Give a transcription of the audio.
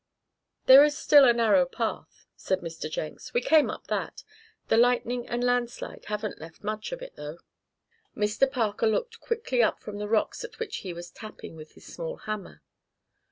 "There is still a narrow path," said Mr. Jenks. "We came up that the lightning and landslide haven't left much of it, though." Mr. Parker looked quickly up from the rocks at which he was tapping with his small hammer.